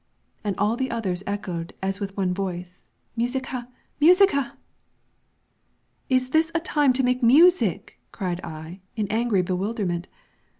And the others all echoed as with one voice, "Musica! Musica!" "Is this a time to make music?" cried I, in angry bewilderment.